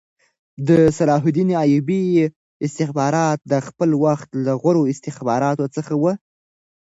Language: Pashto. د صلاح الدین ایوبي استخبارات د خپل وخت له غوره استخباراتو څخه وو